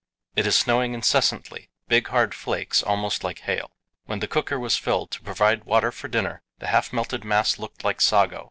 It is snowing incessantly big, hard flakes, almost like hail. When the cooker was filled to provide water for dinner, the half melted mass looked like sago.